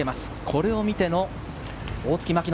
これを見ての大槻。